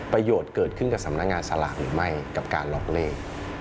เกิดขึ้นกับสำนักงานสลากหรือไม่กับการล็อกเลข